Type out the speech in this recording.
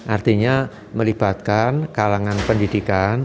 artinya melibatkan kalangan pendidikan